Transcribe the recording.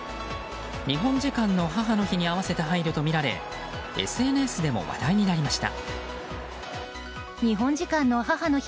日本時間の母の日に合わせた配慮とみられＳＮＳでも話題になりました。